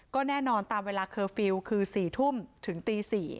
ก็แน่นอนตามเวลาเคอร์ฟิลล์คือ๔ทุ่มถึงตี๔